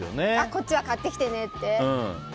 こっちは買ってきてねって？